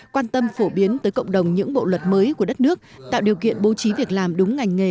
quan tâm phổ biến tới cộng đồng những bộ luật mới của đất nước tạo điều kiện bố trí việc làm đúng ngành nghề